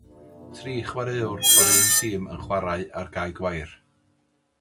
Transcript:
Tri chwaraewr o'r un tîm yn chwarae ar gae gwair.